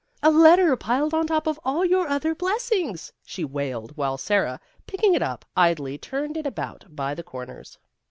" A letter piled on top of all your One of the Girls 281 other blessings !" she wailed, while Sara, picking it up, idly turned it about by the corners.